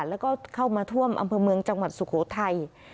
แล้วก็เข้ามาท่วมอำเภอเมืองจังหวัดสุโขทัย